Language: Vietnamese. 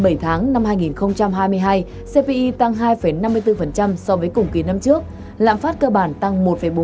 bình luận bảy tháng năm hai nghìn hai mươi hai cpi tăng hai năm mươi bốn so với cùng kỳ năm trước lạm phát cơ bản tăng một bốn mươi bốn